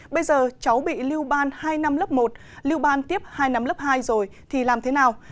bây giờ cháu bị lưu ban hai năm lớp một lưu ban tiếp hai năm lớp hai rồi thì làm thế nào